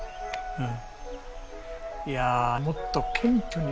うん。